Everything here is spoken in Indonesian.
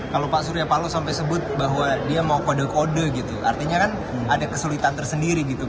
kalau pak surya paloh sampai sebut bahwa dia mau kode kode gitu artinya kan ada kesulitan tersendiri gitu